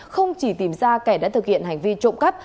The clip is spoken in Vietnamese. không chỉ tìm ra kẻ đã thực hiện hành vi trộm cắp